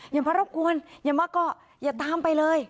อย่ามารบกวนอย่ามาก็อย่าตามไปเลย